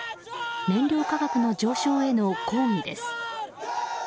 燃料価格の上昇への抗議です。